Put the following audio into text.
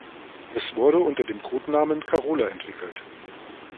Es wurde unter dem Codenamen "Carola" entwickelt.